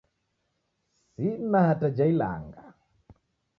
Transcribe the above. Sina hata ja ilanga!